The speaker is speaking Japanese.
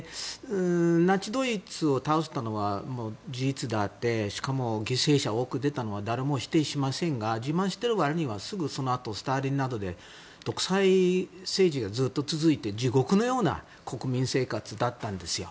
ナチスドイツを倒したのは事実であってしかも、犠牲者が多く出たのは誰も否定しませんが自慢している割にはすぐ、そのあとスターリンなどで独裁政治がずっと続いて地獄のような国民生活だったんですよ。